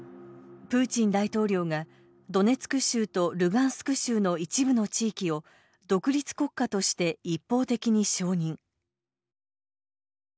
プーチン大統領がドネツク州とルガンスク州の一部の地域を独立国家として一方的に承認。